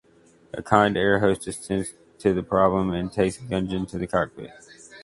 A kind air hostess tends to the problem and takes Gunjan to the cockpit.